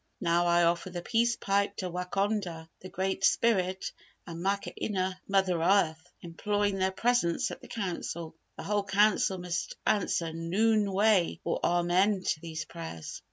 Now I offer the peace pipe to Wakonda, the Great Spirit and Maka Ina, Mother Earth, imploring their presence at the Council. The whole Council must answer 'Noon way' or amen to these prayers.